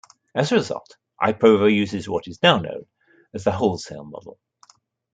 As a result, iProvo uses what is now known as the wholesale model.